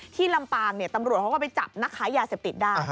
ลำปางตำรวจเขาก็ไปจับนักค้ายาเสพติดได้